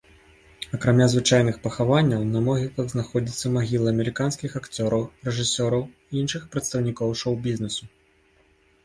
Акрамя звычайных пахаванняў на могілках знаходзяцца магілы амерыканскіх акцёраў, рэжысёраў і іншых прадстаўнікоў шоу-бізнесу.